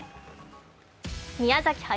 宮崎駿